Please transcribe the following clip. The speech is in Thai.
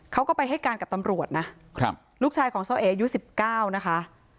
เขาก็ไปให้การกับตำรวจนะลูกชายของโซเออายุ๑๙นะคะ